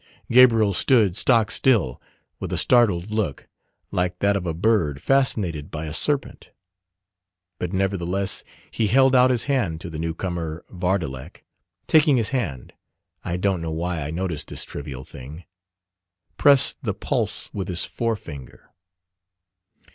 Gabriel stood stock still, with a startled look, like that of a bird fascinated by a serpent. But nevertheless he held out his hand to the newcomer Vardalek, taking his hand I don't know why I noticed this trivial thing pressed the pulse with his forefinger.